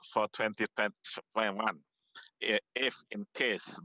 berapa banyak kembang ekonomi di jakarta